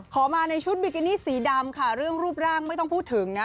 มาในชุดบิกินี่สีดำค่ะเรื่องรูปร่างไม่ต้องพูดถึงนะ